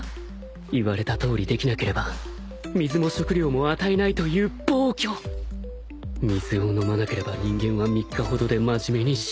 言われたとおりできなければ水も食糧も与えないという暴挙水を飲まなければ人間は３日ほどで真面目に死ぬ